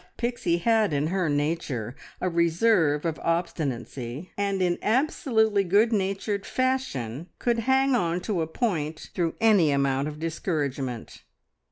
But Pixie had in her nature a reserve of obstinacy, and in absolutely good natured fashion could "hang on" to a point through any amount of discouragement.